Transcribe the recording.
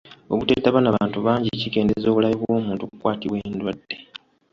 Obuteetaba na bantu bangi kikendeeza obulabe bw'omuntu okukwatibwa endwadde.